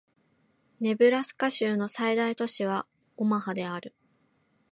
ネブラスカ州の最大都市はオマハである